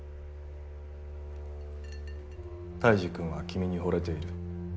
泰治君は君にほれている。